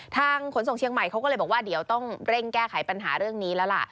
ขนส่งเชียงใหม่เขาก็เลยบอกว่าเดี๋ยวต้องเร่งแก้ไขปัญหาเรื่องนี้แล้วล่ะ